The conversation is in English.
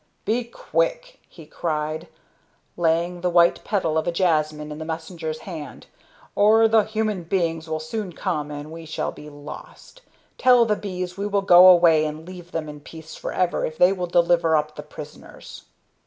"Be quick!" he cried, laying the white petal of a jasmine in the messenger's hand, "or the human beings will soon come and we shall be lost. Tell the bees we will go away and leave them in peace forever if they will deliver up the prisoners."